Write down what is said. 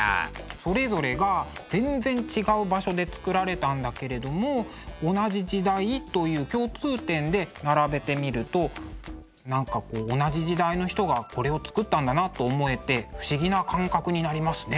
それぞれが全然違う場所でつくられたんだけれども同じ時代という共通点で並べてみると何か同じ時代の人がこれをつくったんだなと思えて不思議な感覚になりますね。